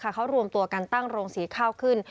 เขารวมตัวกันตั้งโรงสีข้าวขึ้น